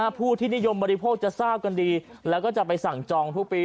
ผู้ที่นิยมบริโภคจะทราบกันดีแล้วก็จะไปสั่งจองทุกปี